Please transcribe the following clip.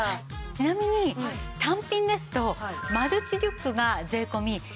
ちなみに単品ですとマルチリュックが税込１万８９００円です。